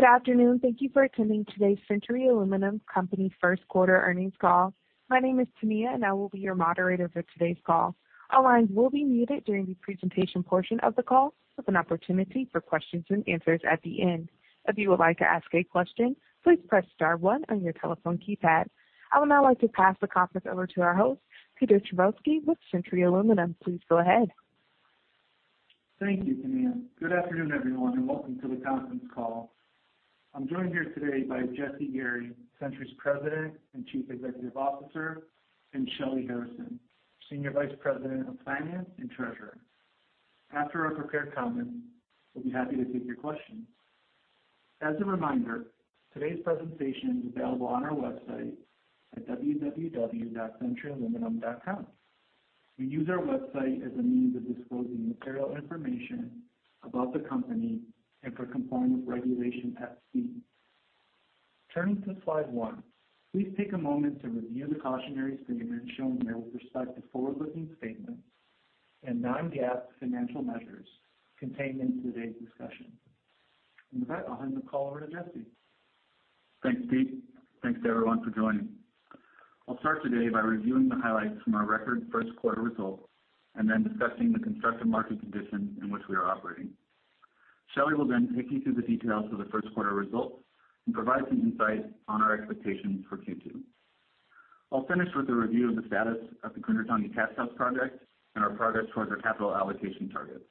Good afternoon. Thank you for attending Today's Century Aluminum Company First Quarter Earnings Call. My name is Tania, and I will be your moderator for today's call. All lines will be muted during the presentation portion of the call, with an opportunity for questions and answers at the end. If you would like to ask a question, please press star one on your telephone keypad. I would now like to pass the conference over to our host, Peter Trpkovski, with Century Aluminum. Please go ahead. Thank you, Tania. Good afternoon, everyone, and welcome to the conference call. I'm joined here today by Jesse Gary, Century's President and Chief Executive Officer, and Shelly Harrison, Senior Vice President of Finance and Treasurer. After our prepared comments, we'll be happy to take your questions. As a reminder, today's presentation is available on our website at www.centuryaluminum.com. We use our website as a means of disclosing material information about the company and for compliance with Regulation FD. Turning to slide one, please take a moment to review the cautionary statement shown there with respect to forward-looking statements and non-GAAP financial measures contained in today's discussion. With that, I'll hand the call over to Jesse. Thanks, Pete. Thanks to everyone for joining. I'll start today by reviewing the highlights from our record first quarter results, and then discussing the constructive market conditions in which we are operating. Shelley will then take you through the details of the first quarter results and provide some insight on our expectations for Q2. I'll finish with a review of the status of the Grundartangi casthouse project and our progress towards our capital allocation targets.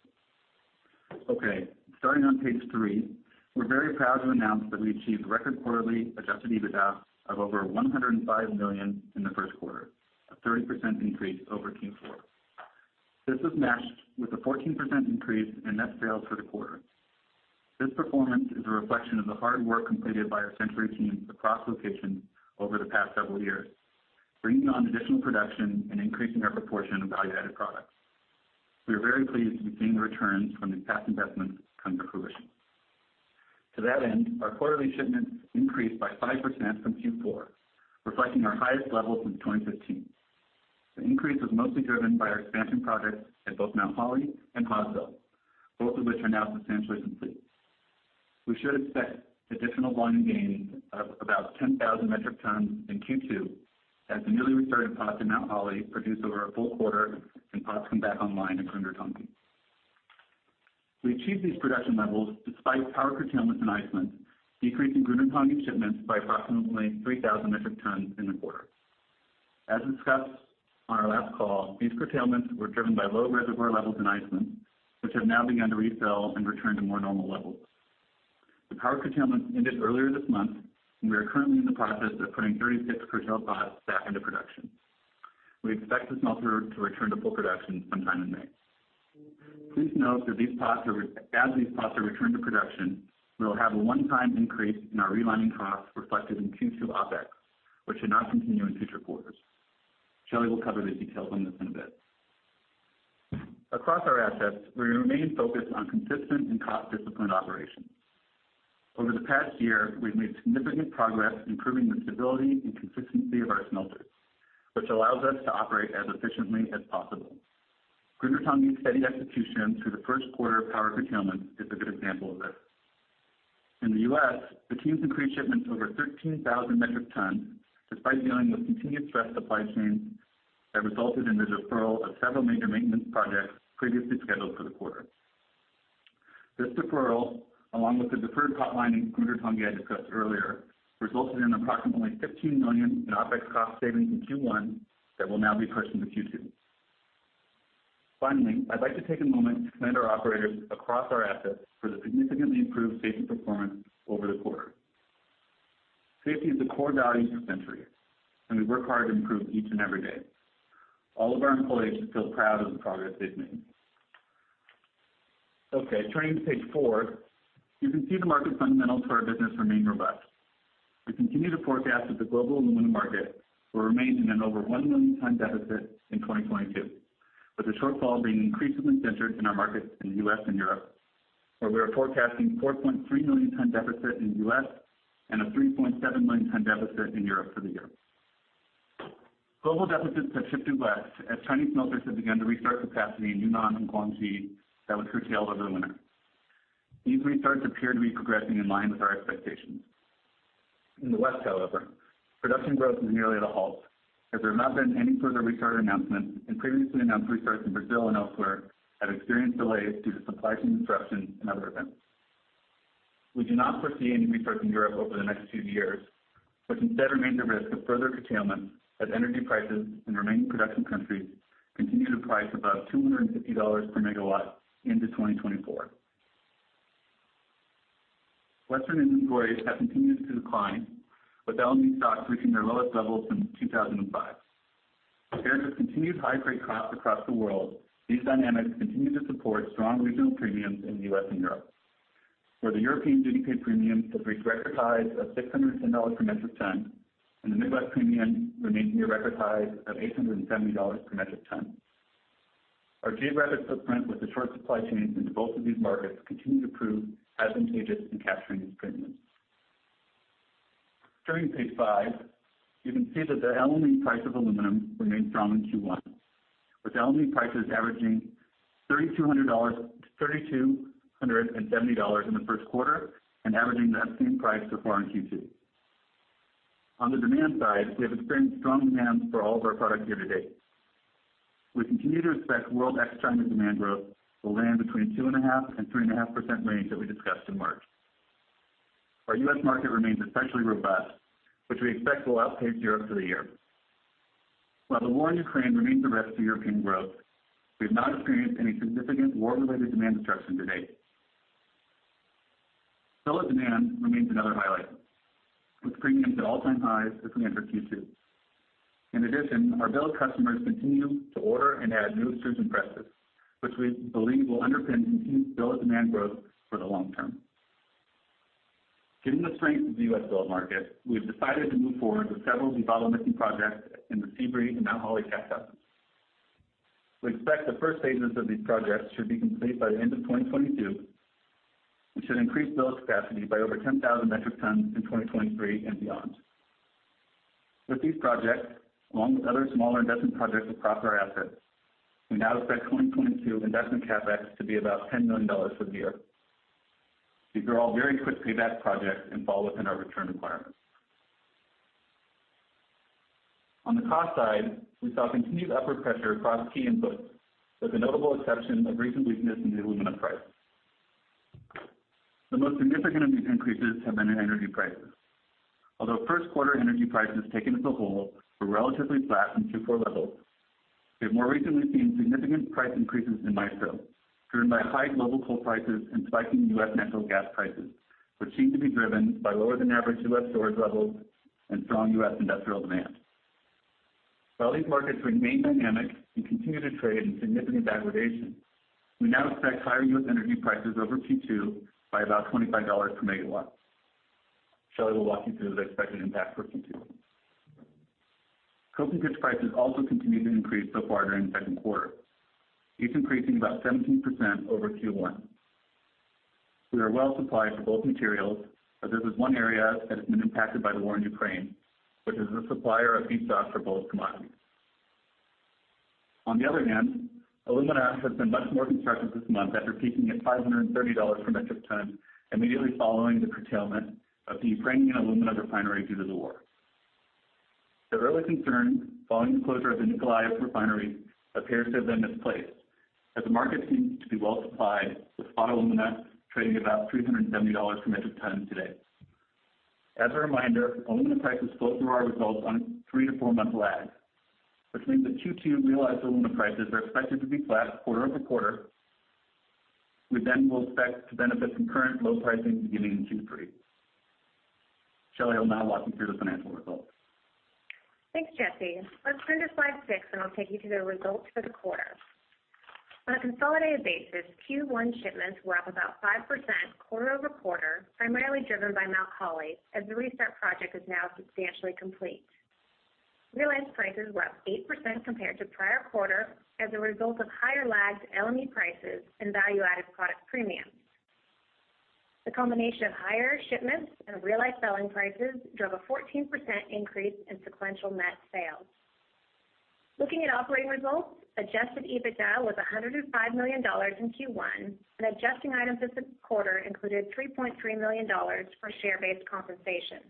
Okay, starting on page three, we're very proud to announce that we achieved record quarterly adjusted EBITDA of over $105 million in the first quarter, a 30% increase over Q4. This was matched with a 14% increase in net sales for the quarter. This performance is a reflection of the hard work completed by our Century team across locations over the past several years, bringing on additional production and increasing our proportion of value-added products. We are very pleased to be seeing the returns from these past investments come to fruition. To that end, our quarterly shipments increased by 5% from Q4, reflecting our highest level since 2015. The increase was mostly driven by our expansion projects at both Mount Holly and Hawesville, both of which are now substantially complete. We should expect additional volume gains of about 10,000 metric tons in Q2 as the newly restarted pots in Mount Holly produce over a full quarter and pots come back online in Grundartangi. We achieved these production levels despite power curtailments in Iceland, decreasing Grundartangi shipments by approximately 3,000 metric tons in the quarter. As discussed on our last call, these curtailments were driven by low reservoir levels in Iceland, which have now begun to refill and return to more normal levels. The power curtailments ended earlier this month, and we are currently in the process of putting 36 curtailed pots back into production. We expect the smelter to return to full production sometime in May. Please note that as these pots are returned to production, we will have a one-time increase in our relining costs reflected in Q2 OpEx, which should not continue in future quarters. Shelley will cover the details on this in a bit. Across our assets, we remain focused on consistent and cost-disciplined operations. Over the past year, we've made significant progress improving the stability and consistency of our smelters, which allows us to operate as efficiently as possible. Grundartangi's steady execution through the first quarter of power curtailment is a good example of this. In the U.S., the team's increased shipments over 13,000 metric tons despite dealing with continued stressed supply chains that resulted in the deferral of several major maintenance projects previously scheduled for the quarter. This deferral, along with the deferred pot lining in Grundartangi I discussed earlier, resulted in approximately $15 million in OpEx cost savings in Q1 that will now be pushed into Q2. Finally, I'd like to take a moment to commend our operators across our assets for the significantly improved safety performance over the quarter. Safety is a core value for Century, and we work hard to improve each and every day. All of our employees should feel proud of the progress they've made. Okay, turning to page four, you can see the market fundamentals for our business remain robust. We continue to forecast that the global aluminum market will remain in an over 1 million ton deficit in 2022, with the shortfall being increasingly centered in our markets in the U.S. and Europe, where we are forecasting 4.3 million ton deficit in U.S. and a 3.7 million ton deficit in Europe for the year. Global deficits have shifted west as Chinese smelters have begun to restart capacity in Yunnan and Guangxi that was curtailed over the winter. These restarts appear to be progressing in line with our expectations. In the West, however, production growth is nearly at a halt, as there have not been any further restart announcements and previously announced restarts in Brazil and elsewhere have experienced delays due to supply chain disruptions and other events. We do not foresee any restarts in Europe over the next few years. We instead see the risk of further curtailment as energy prices in remaining production countries continue to be priced above $250 per MW into 2024. Western inventories have continued to decline, with LME stocks reaching their lowest levels since 2005. Paired with continued high energy costs across the world, these dynamics continue to support strong regional premiums in the U.S. and Europe, where the European duty-paid premium has reached record highs of $610 per metric ton, and the Midwest premium remains near record highs of $870 per metric ton. Our geographic footprint with the short supply chains into both of these markets continues to prove advantageous in capturing these premiums. Turning to page five, you can see that the LME price of aluminum remained strong in Q1, with LME prices averaging $3,270 in the first quarter and averaging that same price so far in Q2. On the demand side, we have experienced strong demand for all of our products year-to-date. We continue to expect world ex-China demand growth will land between 2.5% and 3.5% range that we discussed in March. Our U.S. market remains especially robust, which we expect will outpace Europe for the year. While the war in Ukraine remains a risk to European growth, we have not experienced any significant war-related demand destruction to date. Billet demand remains another highlight, with premiums at all-time highs as we enter Q2. In addition, our billet customers continue to order and add new extruding presses, which we believe will underpin continued billet demand growth for the long term. Given the strength of the U.S. billet market, we've decided to move forward with several debottlenecking projects in the Sebree and Mount Holly cast houses. We expect the first phases of these projects should be complete by the end of 2022, which should increase billet capacity by over 10,000 metric tons in 2023 and beyond. With these projects, along with other smaller investment projects across our assets, we now expect 2022 investment CapEx to be about $10 million for the year. These are all very quick payback projects and fall within our return requirements. On the cost side, we saw continued upward pressure across key inputs, with the notable exception of recent weakness in the aluminum price. The most significant of these increases have been in energy prices. Although first quarter energy prices taken as a whole were relatively flat from Q4 levels, we have more recently seen significant price increases in MISO, driven by high global coal prices and spiking U.S. natural gas prices, which seem to be driven by lower than average U.S. storage levels and strong U.S. industrial demand. While these markets remain dynamic and continue to trade in significant aggregation, we now expect higher U.S. energy prices over Q2 by about $25 per MW. Shelley will walk you through the expected impact for Q2. Coke and pitch prices also continue to increase so far during the second quarter, each increasing about 17% over Q1. We are well supplied for both materials, but this is one area that has been impacted by the war in Ukraine, which is the supplier of feedstock for both commodities. On the other hand, alumina has been much more constructive this month after peaking at $530 per metric ton immediately following the curtailment of the Ukrainian alumina refinery due to the war. The early concerns following the closure of the Mykolaiv refinery appears to have been misplaced, as the market seems to be well supplied, with spot alumina trading about $370 per metric ton today. As a reminder, alumina prices flow through our results on a three to four month lag, which means that Q2 realized alumina prices are expected to be flat quarter-over-quarter. We will expect to benefit from current low pricing beginning in Q3. Shelley will now walk you through the financial results. Thanks, Jesse. Let's turn to slide six, and I'll take you through the results for the quarter. On a consolidated basis, Q1 shipments were up about 5% quarter-over-quarter, primarily driven by Mount Holly, as the restart project is now substantially complete. Realized prices were up 8% compared to prior quarter as a result of higher lagged LME prices and value-added product premiums. The combination of higher shipments and realized selling prices drove a 14% increase in sequential net sales. Looking at operating results, adjusted EBITDA was $105 million in Q1, and adjusting items this quarter included $3.3 million for share-based compensation.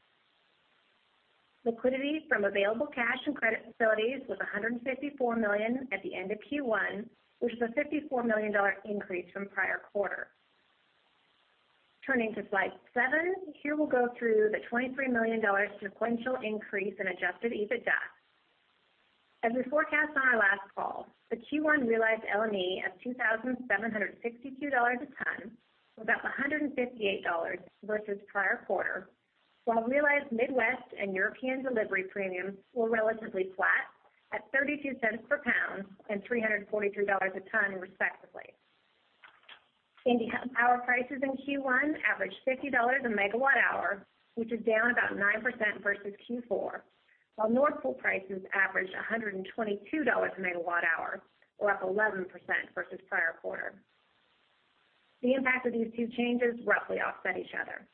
Liquidity from available cash and credit facilities was $154 million at the end of Q1, which is a $54 million increase from prior quarter. Turning to slide seven. Here we'll go through the $23 million sequential increase in adjusted EBITDA. As we forecast on our last call, the Q1 realized LME of $2,762 per ton was up $158 vs prior quarter, while realized Midwest premium and European duty paid premiums were relatively flat at $0.32 per pound and $343 per ton respectively. Indiana power prices in Q1 averaged $50/MWh, which is down about 9% vs Q4, while Nord Pool prices averaged $122/MWh, or up 11% vs prior quarter. The impact of these two changes roughly offset each other.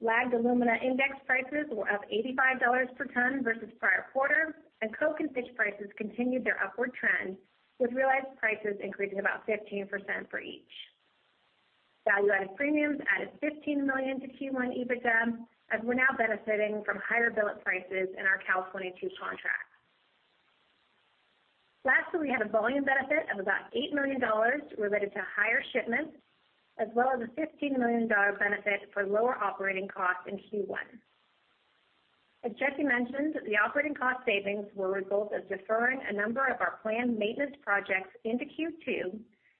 Lagged alumina index prices were up $85 per ton vs prior quarter, and coke and pitch prices continued their upward trend, with realized prices increasing about 15% for each. Value-added premiums added $15 million to Q1 EBITDA, as we're now benefiting from higher billet prices in our Cal 22 contracts. We had a volume benefit of about $8 million related to higher shipments as well as a $15 million benefit for lower operating costs in Q1. Jesse mentioned, the operating cost savings were a result of deferring a number of our planned maintenance projects into Q2,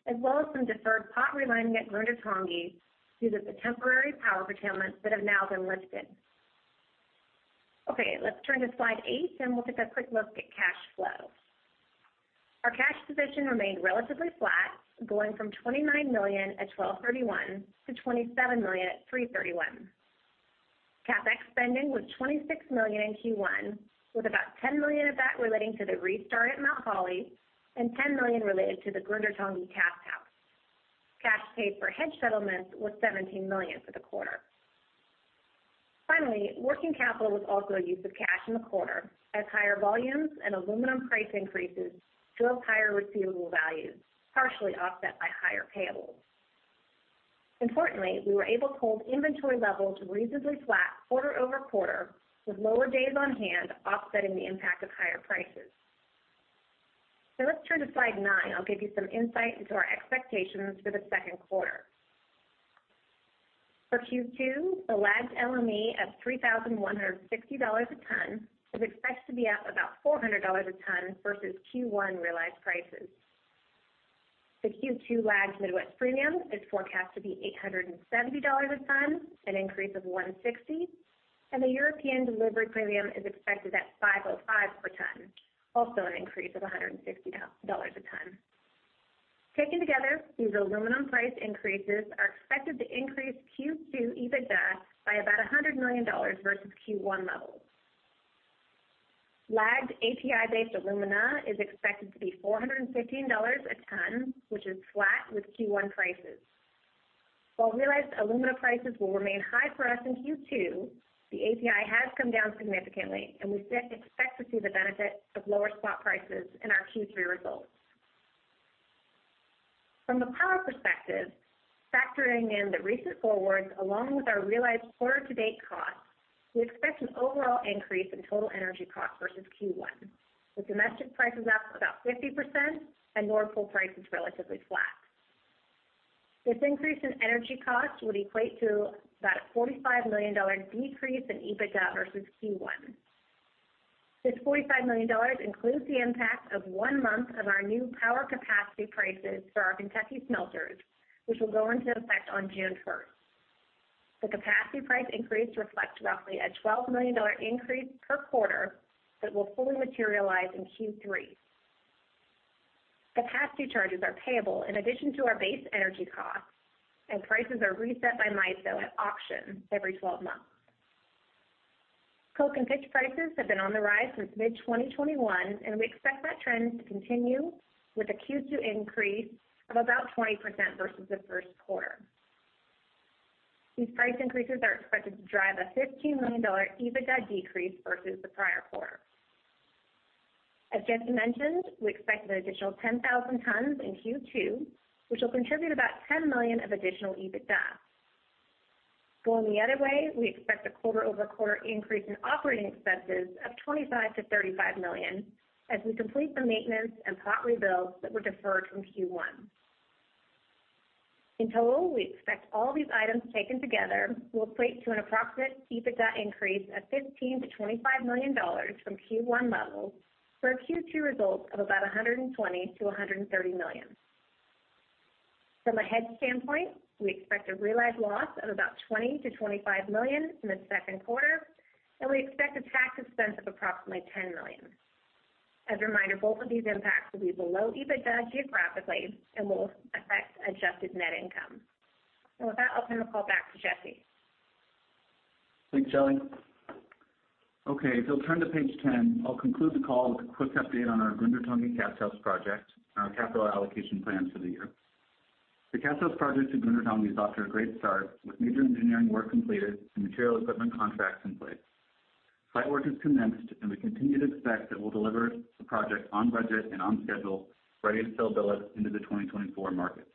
as well as some deferred pot relining at Grundartangi due to the temporary power curtailments that have now been lifted. Okay, let's turn to slide 8, and we'll take a quick look at cash flow. Our cash position remained relatively flat, going from $29 million at 12/31 to $27 million at 3/31. CapEx spending was $26 million in Q1, with about $10 million of that relating to the restart at Mount Holly and $10 million related to the Grundartangi cast house. Cash paid for hedge settlements was $17 million for the quarter. Finally, working capital was also a use of cash in the quarter as higher volumes and aluminum price increases drove higher receivable values, partially offset by higher payables. Importantly, we were able to hold inventory levels reasonably flat quarter over quarter, with lower days on hand offsetting the impact of higher prices. Let's turn to slide nine. I'll give you some insight into our expectations for the second quarter. For Q2, the lagged LME of $3,160 a ton is expected to be up about $400 a ton vs Q1 realized prices. The Q2 lagged Midwest premium is forecast to be $870 a ton, an increase of $160, and the European duty paid premium is expected at $505 per ton, also an increase of $150 dollars a ton. Taken together, these aluminum price increases are expected to increase Q2 EBITDA by about $100 million vs Q1 levels. Lagged API-based alumina is expected to be $415 a ton, which is flat with Q1 prices. While realized alumina prices will remain high for us in Q2, the API has come down significantly, and we expect to see the benefit of lower spot prices in our Q3 results. From the power perspective, factoring in the recent forwards along with our realized quarter to date costs, we expect an overall increase in total energy costs vs Q1, with domestic prices up about 50% and Nord Pool prices relatively flat. This increase in energy costs would equate to about a $45 million decrease in EBITDA vs Q1. This $45 million includes the impact of one month of our new power capacity prices for our Kentucky smelters, which will go into effect on June 1st. The capacity price increase reflects roughly a $12 million increase per quarter that will fully materialize in Q3. Capacity charges are payable in addition to our base energy costs, and prices are reset by MISO at auction every 12 months. Coke and pitch prices have been on the rise since mid-2021, and we expect that trend to continue with a Q2 increase of about 20% vs the first quarter. These price increases are expected to drive a $15 million EBITDA decrease vs the prior quarter. As Jesse mentioned, we expect an additional 10,000 tons in Q2, which will contribute about $10 million of additional EBITDA. Going the other way, we expect a quarter-over-quarter increase in operating expenses of $25 million-$35 million as we complete the maintenance and plant rebuilds that were deferred from Q1. In total, we expect all these items taken together will equate to an approximate EBITDA increase of $15 million-$25 million from Q1 levels for our Q2 results of about $120 million-$130 million. From a hedge standpoint, we expect a realized loss of about $20-$25 million in the second quarter, and we expect a tax expense of approximately $10 million. As a reminder, both of these impacts will be below EBITDA geographically and will affect adjusted net income. With that, I'll turn the call back to Jesse Gary. Thanks, Shelley. Okay, if you'll turn to page 10, I'll conclude the call with a quick update on our Grundartangi casthouse project and our capital allocation plans for the year. The cast house project in Grundartangi is off to a great start, with major engineering work completed and material equipment contracts in place. Site work has commenced, and we continue to expect that we'll deliver the project on budget and on schedule, ready to sell billet into the 2024 market.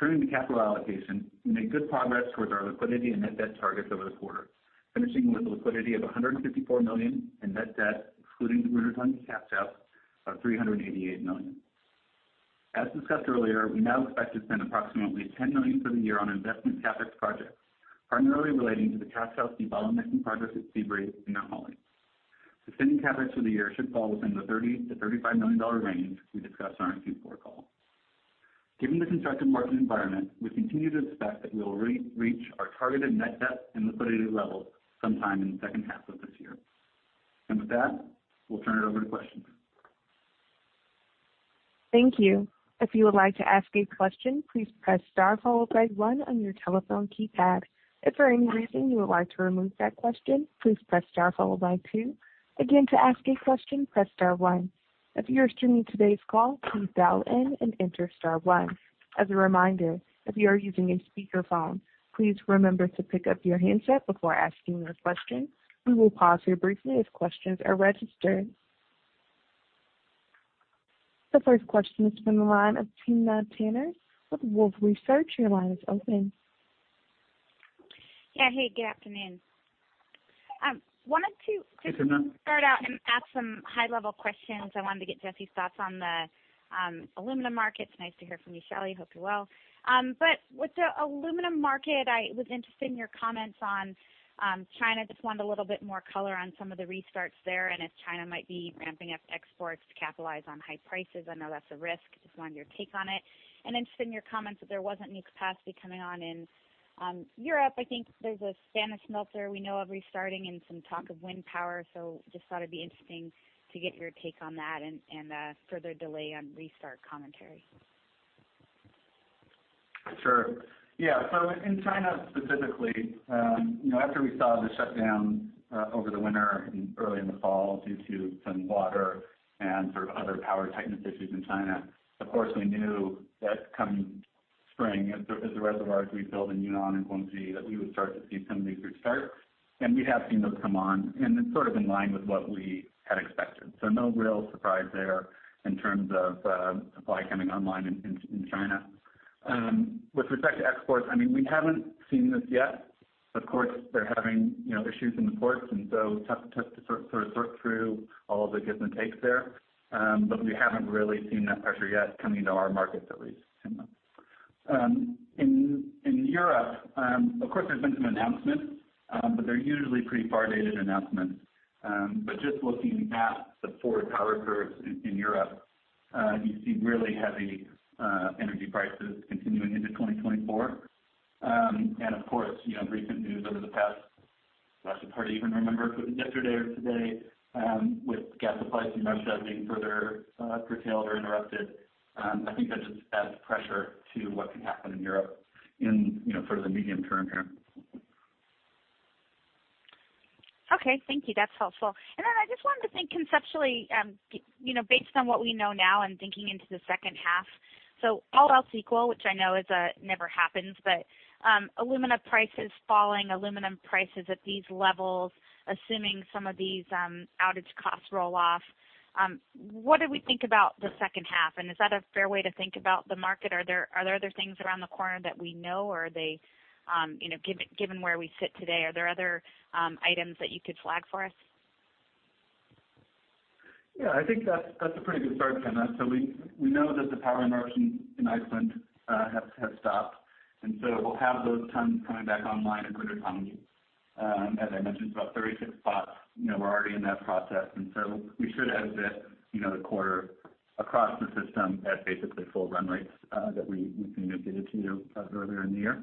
Turning to capital allocation, we made good progress towards our liquidity and net debt targets over the quarter, finishing with a liquidity of $154 million and net debt, including the Grundartangi cast house of $388 million. As discussed earlier, we now expect to spend approximately $10 million for the year on investment CapEx projects, primarily relating to the cast house development and progress at Sebree and Hawesville. Sustaining CapEx for the year should fall within the $30-$35 million range we discussed on our Q4 call. Given the constructive market environment, we continue to expect that we will reach our targeted net debt and liquidity levels sometime in the second half of this year. With that, we'll turn it over to questions. Thank you. If you would like to ask a question, please press star followed by one on your telephone keypad. If for any reason you would like to remove that question, please press star followed by two. Again, to ask a question, press star one. If you are streaming today's call, please dial in and enter star one. As a reminder, if you are using a speakerphone, please remember to pick up your handset before asking a question. We will pause here briefly as questions are registered. The first question is from the line of Timna Tanners with Wolfe Research. Your line is open. Yeah. Hey, good afternoon. Hey, Timna Tanners. Just start out and ask some high-level questions. I wanted to get Jesse's thoughts on the aluminum markets. Nice to hear from you, Shelley. Hope you're well. But with the aluminum market, I was interested in your comments on China. Just wanted a little bit more color on some of the restarts there and if China might be ramping up exports to capitalize on high prices. I know that's a risk, just wanted your take on it. Interested in your comments that there wasn't new capacity coming on in Europe. I think there's a Spanish smelter we know of restarting and some talk of wind power. Just thought it'd be interesting to get your take on that and the further delay on restart commentary. Sure. Yeah. In China specifically, you know, after we saw the shutdown over the winter and early in the fall due to some water and sort of power tightness issues in China. Of course, we knew that come spring, as the reservoirs rebuild in Yunnan and Guangxi, that we would start to see some of these restarts, and we have seen those come on, and it's sort of in line with what we had expected. No real surprise there in terms of supply coming online in China. With respect to exports, I mean, we haven't seen this yet. Of course, they're having, you know, issues in the ports, and so it's tough to sort through all of the gives and takes there. But we haven't really seen that pressure yet coming into our markets, at least. In Europe, of course, there's been some announcements, but they're usually pretty far dated announcements. Just looking at the forward power curves in Europe, you see really heavy energy prices continuing into 2024. Of course, you know, recent news over the past, gosh, it's hard to even remember if it was yesterday or today, with gas supplies from Russia being further curtailed or interrupted, I think that just adds pressure to what can happen in Europe in, you know, sort of the medium term here. Okay. Thank you. That's helpful. I just wanted to think conceptually, you know, based on what we know now and thinking into the second half, so all else equal, which I know is never happens, but alumina prices falling, aluminum prices at these levels, assuming some of these outage costs roll off, what do we think about the second half, and is that a fair way to think about the market? Are there other things around the corner that we know or are they, you know, given where we sit today, are there other items that you could flag for us? Yeah. I think that's a pretty good start, Timna. We know that the power interruptions in Iceland have stopped, and so we'll have those tons coming back online in good economy. As I mentioned, it's about 36 pots. You know, we're already in that process, and so we should end the quarter across the system at basically full run rates that we communicated to you earlier in the year.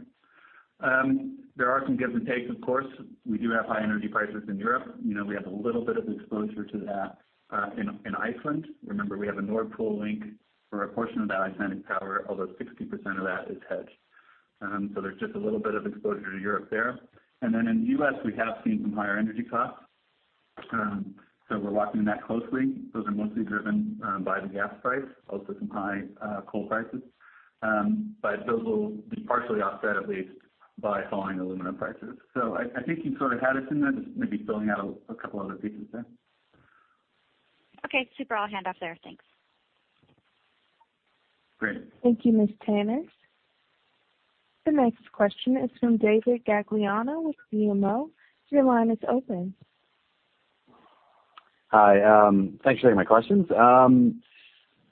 There are some gives and takes, of course. We do have high energy prices in Europe. You know, we have a little bit of exposure to that in Iceland. Remember, we have a Nord Pool link for a portion of that Icelandic power, although 60% of that is hedged. So there's just a little bit of exposure to Europe there. In the U.S., we have seen some higher energy costs, so we're watching that closely. Those are mostly driven by the gas price, also some high coal prices. Those will be partially offset at least by falling alumina prices. I think you sort of had it, Timna, just maybe filling out a couple other pieces there. Okay. Super. I'll hand off there. Thanks. Great. Thank you, Ms. Tanners. The next question is from David Gagliano with BMO. Your line is open. Thanks for taking my questions.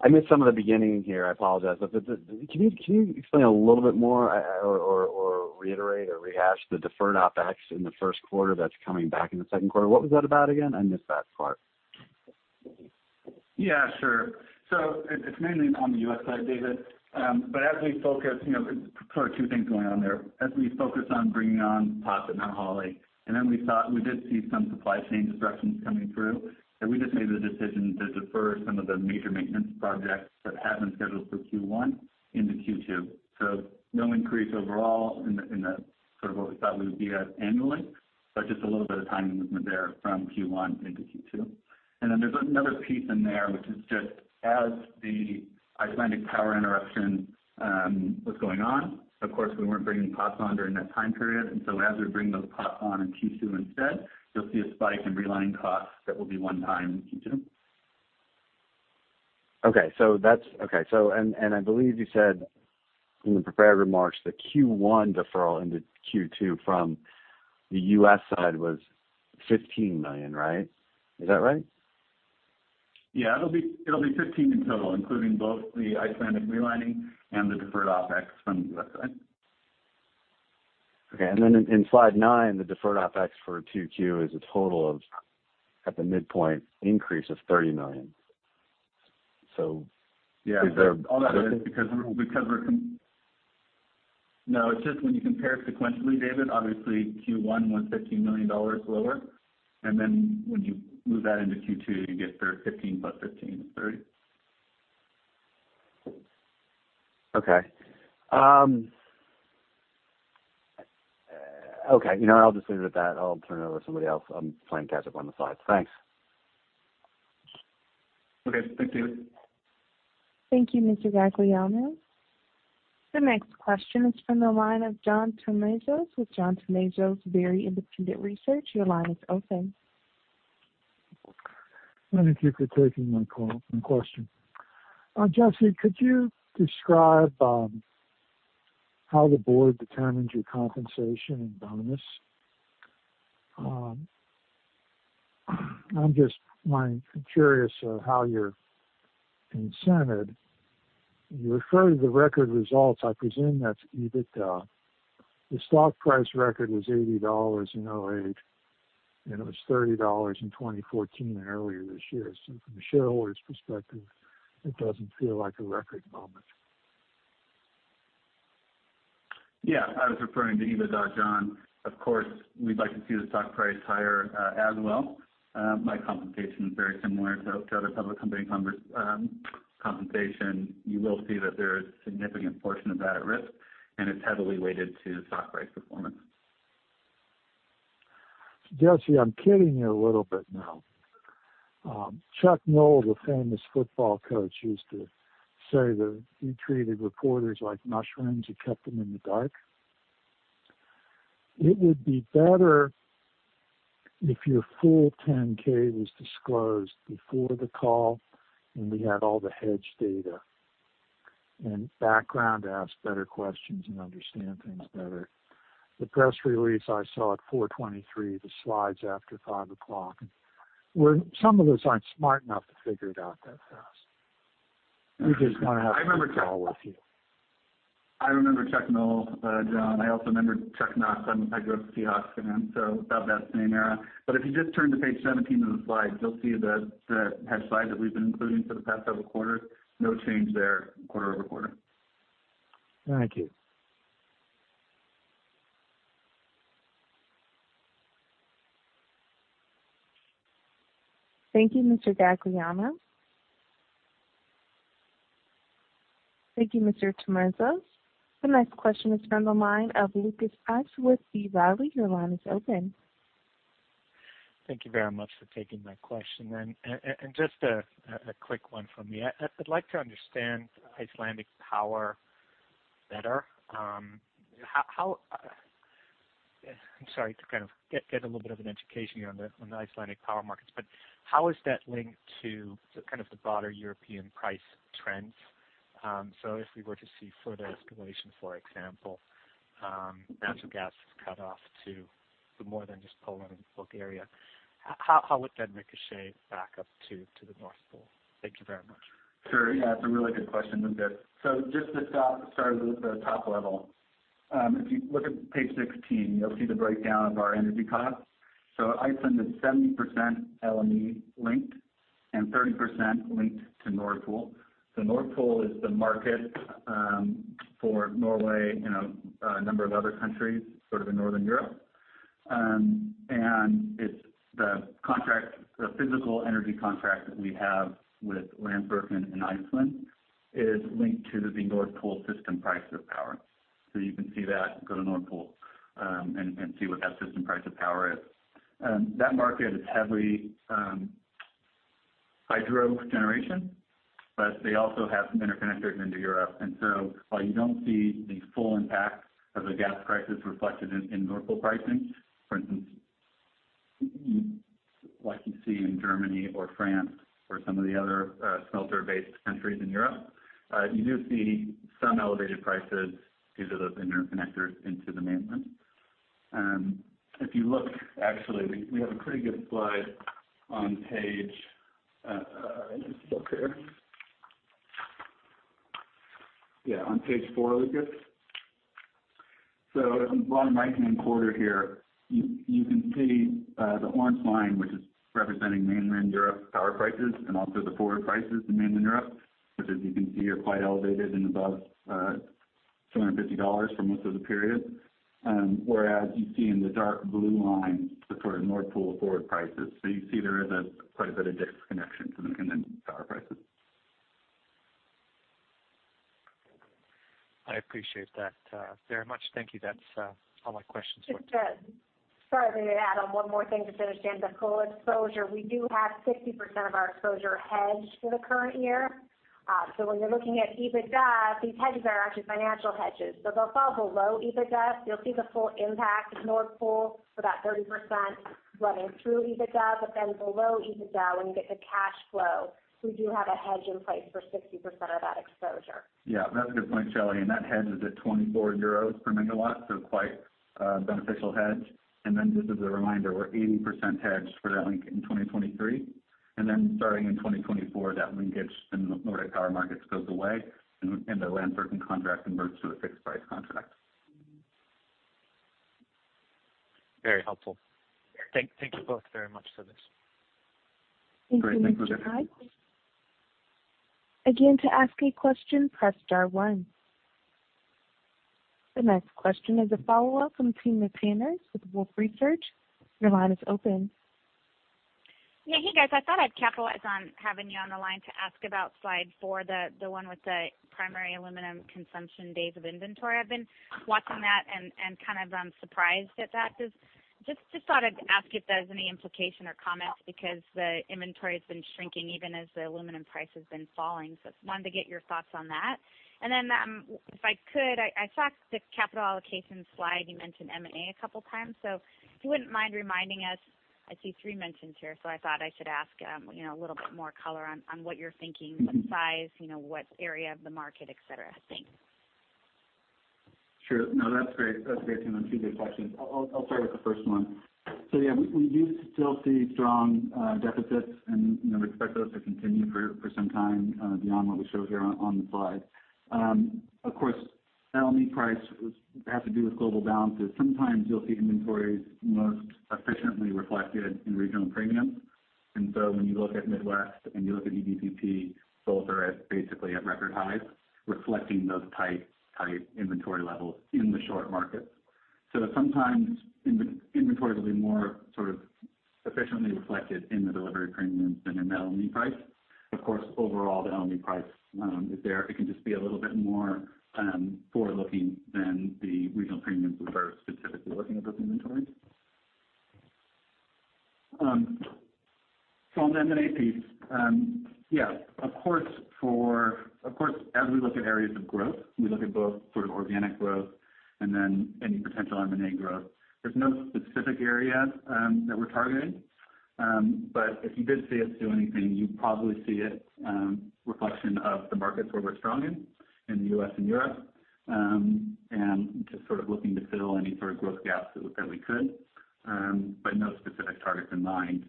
I missed some of the beginning here. I apologize. Can you explain a little bit more or reiterate or rehash the deferred OpEx in the first quarter that's coming back in the second quarter? What was that about again? I missed that part. Yeah, sure. It's mainly on the U.S. side, David. As we focus, you know, sort of two things going on there. As we focus on bringing on pots at Mount Holly, and then we did see some supply chain disruptions coming through, and we just made the decision to defer some of the major maintenance projects that had been scheduled for Q1 into Q2. No increase overall in the sort of what we thought we would be at annually, but just a little bit of timing movement there from Q1 into Q2. There's another piece in there, which is just as the Icelandic power interruption was going on, of course, we weren't bringing pots on during that time period. As we bring those pots on in Q2 instead, you'll see a spike in relining costs that will be one time in Q2. I believe you said in the prepared remarks, the Q1 deferral into Q2 from the U.S. side was $15 million, right? Is that right? It'll be $15 million in total, including both the Icelandic relining and the deferred OpEx from the U.S. side. Okay. Then in slide nine, the deferred OpEx for 2Q is a total of, at the midpoint, increase of $30 million. Yeah. Is there? No, it's just when you compare sequentially, David, obviously Q1 was $15 million lower, and then when you move that into Q2, you get 15 + 15=30. Okay. You know what? I'll just leave it at that. I'll turn it over to somebody else. I'm playing catch up on the slides. Thanks. Okay. Thanks, David. Thank you, Mr. Gagliano. The next question is from the line of John Tumazos with John Tumazos Very Independent Research. Your line is open. Thank you for taking my call and question. Jesse, could you describe how the board determines your compensation and bonus? I'm just wondering, curious of how you're incented. You refer to the record results, I presume that's EBITDA. The stock price record was $80 in 2008, and it was $30 in 2014 and earlier this year. From a shareholder's perspective, it doesn't feel like a record moment. Yeah. I was referring to EBITDA, John. Of course, we'd like to see the stock price higher, as well. My compensation is very similar to other public company compensation. You will see that there is a significant portion of that at risk, and it's heavily weighted to stock price performance. Jesse, I'm kidding you a little bit now. Chuck Noll, the famous football coach, used to say that he treated reporters like mushrooms, he kept them in the dark. It would be better if your full 10-K was disclosed before the call, and we had all the hedge data and background to ask better questions and understand things better. The press release I saw at 4:23, the slides after 5:00. Some of us aren't smart enough to figure it out that fast. We just want to have a good call with you. I remember Chuck Noll, John. I also remember Chuck Noll. I grew up a Seahawks fan, so about that same era. If you just turn to page 17 of the slides, you'll see the hedge slide that we've been including for the past several quarters. No change there quarter-over-quarter. Thank you. Thank you, Mr. Gagliano. Thank you, Mr. Tumazos. The next question is from the line of Lucas Pipes with B. Riley. Your line is open. Thank you very much for taking my question then. Just a quick one from me. I would like to understand Icelandic power better. I'm sorry to kind of get a little bit of an education here on the Icelandic power markets, but how is that linked to the kind of the broader European price trends? If we were to see further escalation, for example, natural gas is cut off to more than just Poland and Bulgaria, how would that ricochet back up to the Nord Pool? Thank you very much. Sure. Yeah, it's a really good question, Lucas. Just to start with the top level, if you look at page 16, you'll see the breakdown of our energy costs. Iceland is 70% LME linked and 30% linked to Nord Pool. Nord Pool is the market for Norway and a number of other countries, sort of in Northern Europe. It's the contract, the physical energy contract that we have with Landsvirkjun in Iceland is linked to the Nord Pool system price of power. You can see that, go to Nord Pool and see what that system price of power is. That market is heavily hydro generation, but they also have some interconnectors into Europe. While you don't see the full impact of the gas crisis reflected in Nord Pool pricing, for instance, like you see in Germany or France or some of the other smelter-based countries in Europe, you do see some elevated prices due to those interconnectors into the mainland. If you look actually, we have a pretty good slide. Let me see it up here. Yeah, on page four, Lucas. Bottom right-hand corner here, you can see the orange line, which is representing mainland Europe power prices and also the forward prices in mainland Europe, which as you can see are quite elevated and above $250 for most of the period. Whereas you see in the dark blue line the sort of Nord Pool forward prices. You see there is quite a bit of disconnection in the power prices. I appreciate that, very much. Thank you. That's all my questions for today. Sorry, let me add on one more thing to finish Dan's up. Coal exposure. We do have 60% of our exposure hedged for the current year. When you're looking at EBITDA, these hedges are actually financial hedges, so they'll fall below EBITDA. You'll see the full impact of Nord Pool for that 30% running through EBITDA. Then below EBITDA, when you get to cash flow, we do have a hedge in place for 60% of that exposure. Yeah, that's a good point, Shelley. That hedge is at 24 euros per MW, so quite a beneficial hedge. Just as a reminder, we're 80% hedged for that link in 2023. Starting in 2024, that linkage in Nordic power markets goes away and the Landsvirkjun contract converts to a fixed price contract. Very helpful. Thank you both very much for this. Thank you, Mr. Pipes. Again, to ask a question, press star one. The next question is a follow-up from Timna Tanners with Wolfe Research. Your line is open. Yeah, hey, guys. I thought I'd capitalize on having you on the line to ask about slide four, the one with the primary aluminum consumption days of inventory. I've been watching that and kind of surprised at that. Just thought I'd ask if there's any implication or comment because the inventory has been shrinking even as the aluminum price has been falling. I wanted to get your thoughts on that. If I could, I saw the capital allocation slide, you mentioned M&A a couple times. If you wouldn't mind reminding us, I see three mentions here, so I thought I should ask, you know, a little bit more color on what you're thinking, what size, you know, what area of the market, etc., thanks. Sure. No, that's great. That's great. Two good questions. I'll start with the first one. Yeah, we do still see strong deficits and, you know, expect those to continue for some time beyond what we show here on the slide. Of course, LME price has to do with global balances. Sometimes you'll see inventories most efficiently reflected in regional premiums. When you look at Midwest and you look at EDPP, both are at basically at record highs, reflecting those tight inventory levels in the spot markets. Sometimes inventories will be more sort of sufficiently reflected in the delivery premiums and in the LME price. Of course, overall, the LME price is there. It can just be a little bit more forward-looking than the regional premiums that are specifically looking at those inventories. On the M&A piece, yeah, of course, as we look at areas of growth, we look at both sort of organic growth and then any potential M&A growth. There's no specific area that we're targeting. If you did see us do anything, you'd probably see it reflection of the markets where we're strong in the U.S. and Europe, and just sort of looking to fill any sort of growth gaps that we could. No specific targets in mind,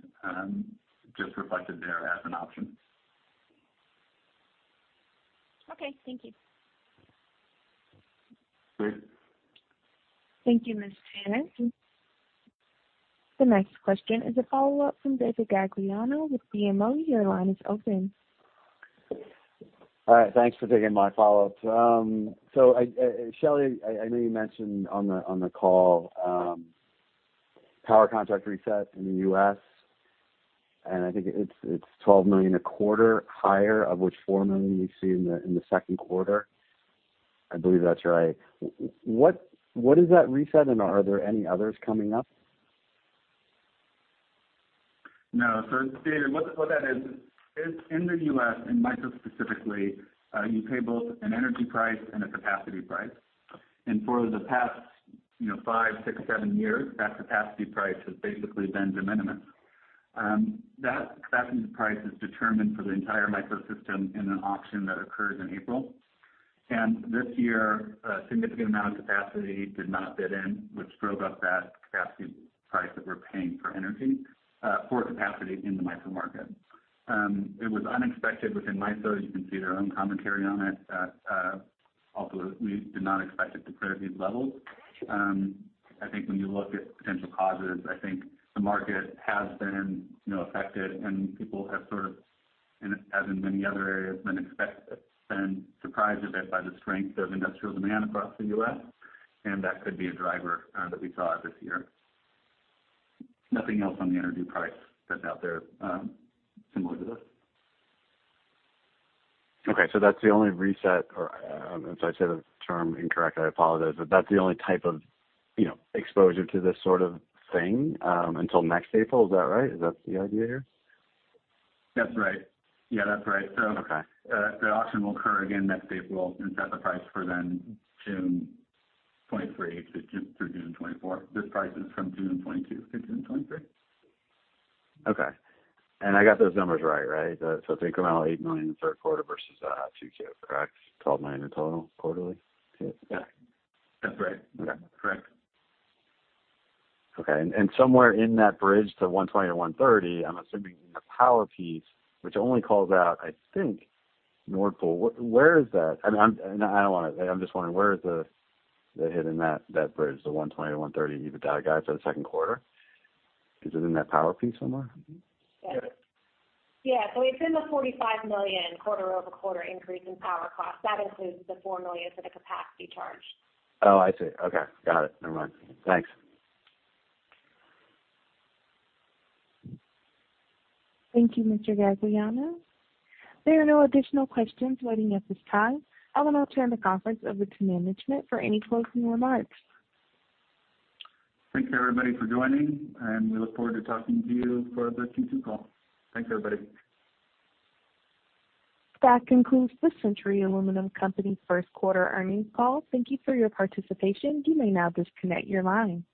just reflected there as an option. Okay. Thank you. Great. Thank you, Ms. Tanners. The next question is a follow-up from David Gagliano with BMO. Your line is open. All right. Thanks for taking my follow-up. Shelley, I know you mentioned on the call power contract reset in the U.S., and I think it's $12 million a quarter higher, of which $4 million we see in the second quarter. I believe that's right. What is that reset, and are there any others coming up? No. David, what that is in the U.S., in MISO specifically, you pay both an energy price and a capacity price. For the past, you know, five, six, seven years, that capacity price has basically been de minimis. That price is determined for the entire MISO system in an auction that occurs in April. This year, a significant amount of capacity did not bid in, which drove up that capacity price that we're paying for energy, for capacity in the MISO market. It was unexpected within MISO. You can see their own commentary on it. Also, we did not expect it to clear these levels. Been surprised a bit by the strength of industrial demand across the U.S., and that could be a driver that we saw this year. Nothing else on the energy price that's out there, similar to this. Okay. That's the only reset or, if I say the term incorrectly, I apologize, but that's the only type of, you know, exposure to this sort of thing, until next April. Is that right? Is that the idea here? That's right. Yeah, that's right. Okay. The auction will occur again next April and set the price for the June 2023 through June 2024. This price is from June 2022 to June 2023. Okay. I got those numbers right? It's incremental $8 million in the third quarter vs 2Q, correct? $12 million in total quarterly? Yeah. That's right. Okay. Correct. Okay. Somewhere in that bridge to $120-$130, I'm assuming the power piece, which only calls out, I think, Nord Pool. Where is that? I mean, I'm just wondering where the hit is in that bridge, the $120-$130 EBITDA guide for the second quarter. Is it in that power piece somewhere? Yeah. Yeah. It's in the $45 million quarter-over-quarter increase in power cost. That includes the $4 million for the capacity charge. Oh, I see. Okay. Got it. Never mind. Thanks. Thank you, Mr. Gagliano. There are no additional questions waiting at this time. I will now turn the conference over to management for any closing remarks. Thanks, everybody, for joining, and we look forward to talking to you for the Q2 call. Thanks, everybody. That concludes the Century Aluminum Company first quarter earnings call. Thank you for your participation. You may now disconnect your line.